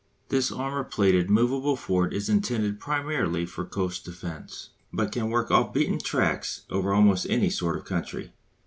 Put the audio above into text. This armour plated movable fort is intended primarily for coast defence, but can work off beaten tracks over almost any sort of country.